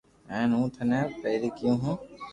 ھين ھون ٿني پيري ڪيو ھون